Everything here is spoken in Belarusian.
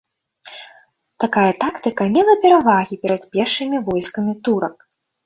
Такая тактыка мела перавагі перад пешымі войскамі турак.